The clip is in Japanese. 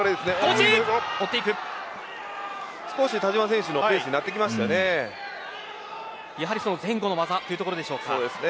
少し田嶋選手のペースに前後の技というところでしょうか。